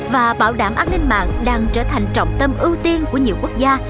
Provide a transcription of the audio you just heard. và bảo đảm an ninh mạng đang trở thành trọng tâm ưu tiên của nhiều quốc gia